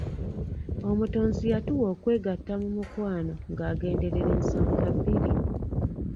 Omutonzi yatuwa okwegatta mu mukwano nga agenderera ensonga bbiri.